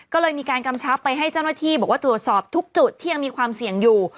ก็เลยมีการกำชับไปให้เจ้าหน้าที่บอกว่าตรวจสอบทุกจุดที่ยังมีความเสี่ยงอยู่